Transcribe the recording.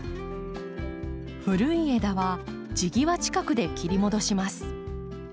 古い枝は地際近くで切り戻します。